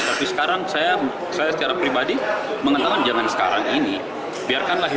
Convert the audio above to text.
tapi sekarang saya secara pribadi mengatakan jangan sekarang ini